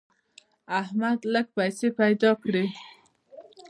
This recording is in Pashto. احمد لږې پیسې پیدا کړې.